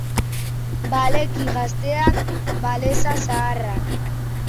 Baleki gazteak, baleza zaharrak.